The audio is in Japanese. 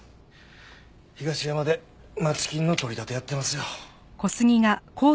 東山で街金の取り立てやってますよ。